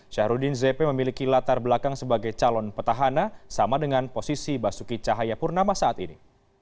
syahruddin zp memiliki latar belakang sebagai calon petahana sama dengan posisi basuki cahayapurnama saat ini